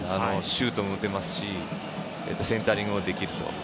シュートも打てますしセンタリングもできると。